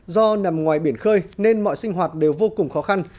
do nằm ngoài biển khơi nên mọi sinh hoạt đều vô cùng khó khăn